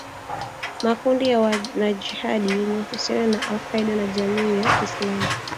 makundi ya wanajihadi yenye uhusiano na al-Qaeda na jamii ya kiislamu